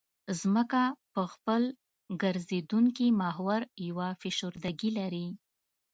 ځمکه په خپل ګرځېدونکي محور یوه فشردګي لري